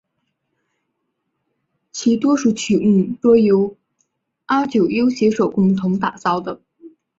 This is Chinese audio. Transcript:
其多数曲目多由阿久悠携手共同打造。